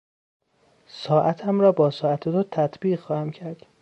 ساعتم را با ساعت تو تطبیق خواهم کرد.